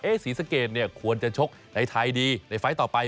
ศรีสะเกดเนี่ยควรจะชกในไทยดีในไฟล์ต่อไป